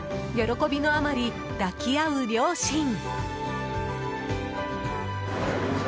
喜びのあまり抱き合う両親。